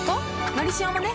「のりしお」もね